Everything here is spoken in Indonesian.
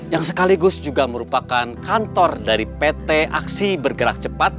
yang sekaligus juga merupakan kantor dari pt aksi bergerak cepat